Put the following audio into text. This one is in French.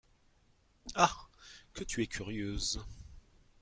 Ah ! que tu es curieuse !…